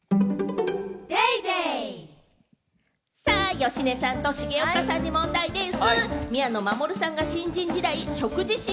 芳根さんと重岡さんに問題でぃす。